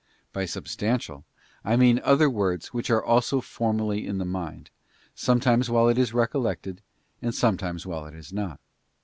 By Substantial, I mean other words which are also formally in the mind, sometimes while it is recollected, and sometimes while it is not.